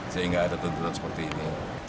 sehingga ada tuntutan seperti ini